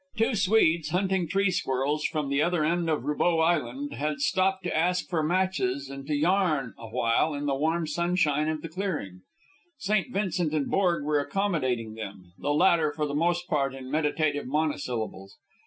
Two Swedes, hunting tree squirrels from the other end of Roubeau Island, had stopped to ask for matches and to yarn a while in the warm sunshine of the clearing. St. Vincent and Borg were accommodating them, the latter for the most part in meditative monosyllables.